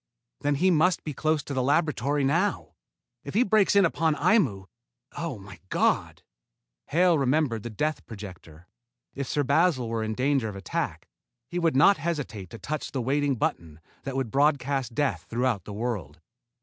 "Then he must be close to the laboratory now. If he breaks in upon Aimu oh, my God!" Hale remembered the death projector. If Sir Basil were in danger of attack, he would not hesitate to touch the waiting button that would broadcast death throughout the world.